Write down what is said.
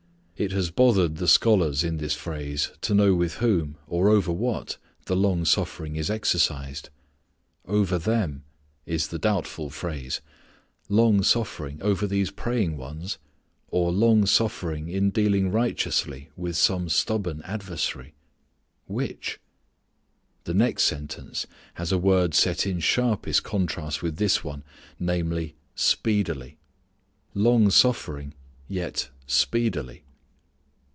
It has bothered the scholars in this phrase to know with whom or over what the long suffering is exercised. "Over them" is the doubtful phrase. Long suffering over these praying ones? Or, long suffering in dealing righteously with some stubborn adversary which? The next sentence has a word set in sharpest contrast with this one, namely "speedily." "Long suffering" yet "speedily."